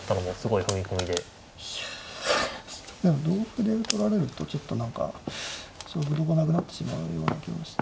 いやでも同歩で取られるとちょっと何か勝負どころなくなってしまうような気がして。